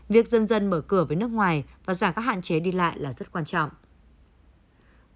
việc dân dân mở cửa với nước ngoài và giảm các hạn chế đi lại là rất quan trọng